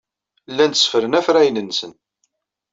Llan tteffren afrayen-nsen.